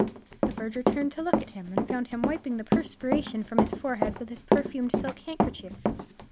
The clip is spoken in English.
The verger turned to look at him, and found him wiping the perspiration from his forehead with his perfumed silk handkerchief.